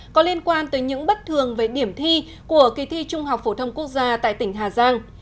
có liên quan tới những bất thường về điểm thi của kỳ thi trung học phổ thông quốc gia tại tỉnh hà giang